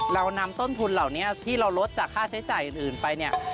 เรานำต้นทุนเหล่านี้ที่เราลดจากค่าใช้จ่ายอื่นไปเนี่ย